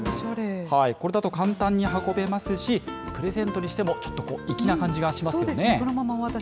これだと簡単に運べますし、プレゼントにしてもちょっと粋な感じがしますよね。